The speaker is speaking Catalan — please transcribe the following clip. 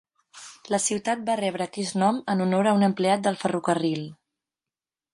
La ciutat va rebre aquest nom en honor a un empleat del ferrocarril.